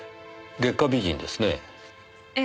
月下美人ですねぇ。